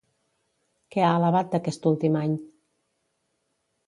Què ha alabat d'aquest últim any?